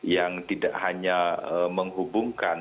yang tidak hanya menghubungkan